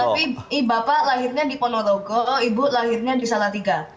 tapi bapak lahirnya di ponorogo ibu lahirnya di salatiga